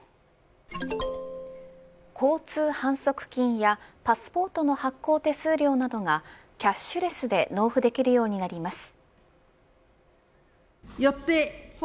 交通反則金やパスポートの発行手数料などがキャッシュレスで納付できるようになります。